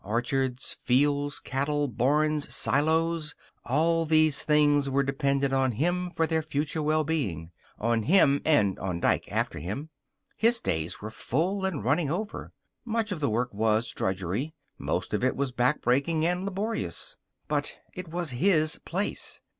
Orchards, fields, cattle, barns, silos. All these things were dependent on him for their future well being on him and on Dike after him. His days were full and running over. Much of the work was drudgery; most of it was backbreaking and laborious. But it was his place.